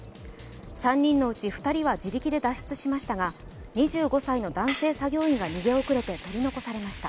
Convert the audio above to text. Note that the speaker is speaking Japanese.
３人のうち２人は自力で脱出しましたが２５歳の男性作業員が逃げ遅れて取り残されました。